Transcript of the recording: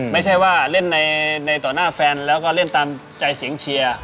ไม่ใช่ว่าเล่นในต่อหน้าแฟนแล้วก็เล่นตามใจเสียงเชียร์